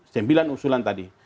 sembilan usulan tadi